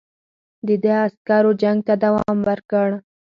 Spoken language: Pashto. د ده عسکرو جنګ ته دوام ورکړ.